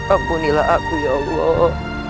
ampunilah aku ya allah